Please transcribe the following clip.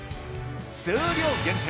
数量限定